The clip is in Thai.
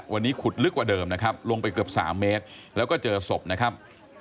วันนี้ขุดลึกกว่าเดิมนะครับลงไปเกือบ๓เมตรแล้วก็เจอศพนะครับ